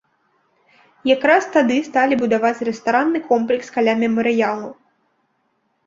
Якраз тады сталі будаваць рэстаранны комплекс каля мемарыялу.